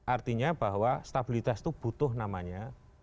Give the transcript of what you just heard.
artinya bahwa stabilitas itu butuh namanya